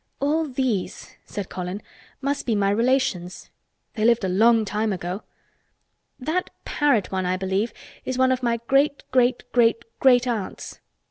"All these," said Colin, "must be my relations. They lived a long time ago. That parrot one, I believe, is one of my great, great, great, great aunts.